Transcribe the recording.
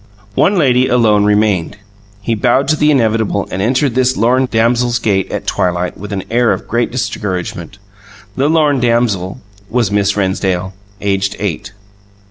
One lady alone remained; he bowed to the inevitable and entered this lorn damsel's gate at twilight with an air of great discouragement. The lorn damsel was Miss Rennsdale, aged eight.